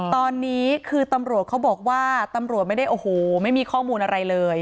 ตอนนี้คือตำรวจเขาบอกว่าตำรวจไม่ได้โอ้โหไม่มีข้อมูลอะไรเลย